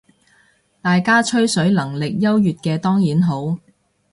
大家吹水能力優越嘅當然好